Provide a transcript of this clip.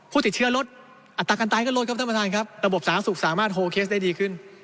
ผู้ติดเชื้อลดอัตราการตายก็ลดครับท่านประธานครับระบบสาธารณสุขสามารถโฮเคสได้ดีขึ้น